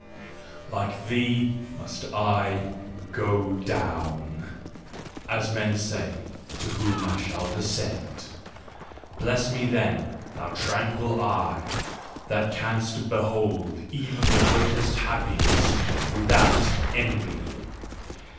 Like thee must I go down , as men say, to whom I shall descend. Bless me then, thou tranquil eye, that canst behold even the greatest happiness without envy!